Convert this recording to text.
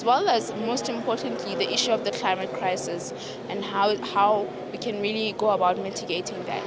sama juga yang paling penting isu krisis klimat dan bagaimana kita bisa memitigasi itu